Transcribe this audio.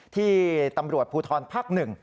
ที่ตำรวจภูทรภักดิ์๑